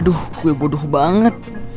aduh gue bodoh banget